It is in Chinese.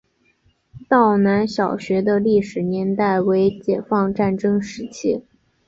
道南小学的历史年代为解放战争时期。